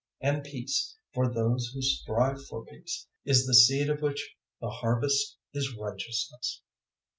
003:018 And peace, for those who strive for peace, is the seed of which the harvest is righteousness.